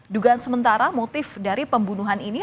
dugaan sementara motif dari pembunuhan ini